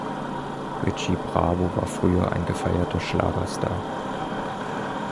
Richie Bravo war früher ein gefeierter Schlagerstar.